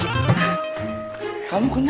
latihan terbakar doang